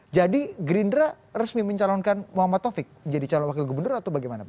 jadi gerindra resmi mencalonkan muhammad tovik menjadi calon wakil gubernur atau bagaimana pak